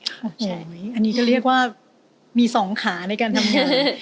อันนี้ก็เรียกว่ามีสองขาในการทำงาน